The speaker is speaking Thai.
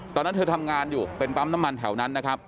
ตอนนั้นเธอทำงานอยู่เป็นปั๊มน้ำมันแถวนั้นนะครับ